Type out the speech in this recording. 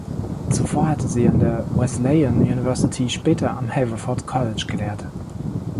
Zuvor hatte sie an der Wesleyan University, später am Haverford College gelehrt.